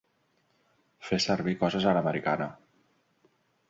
Fer servir les coses a l'americana.